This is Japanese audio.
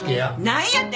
何やて！？